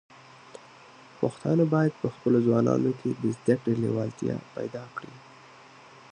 پښتانه بايد په خپلو ځوانانو کې د زده کړې لیوالتیا پيدا کړي.